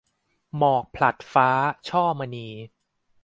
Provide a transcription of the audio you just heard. หมอกผลัดฟ้า - ช่อมณี